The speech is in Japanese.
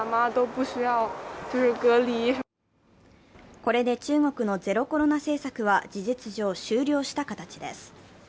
これで中国のゼロコロナ政策は事実上終了した形です。